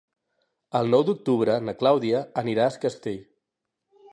El nou d'octubre na Clàudia anirà a Es Castell.